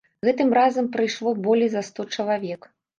Гэтым разам прыйшло болей за сто чалавек.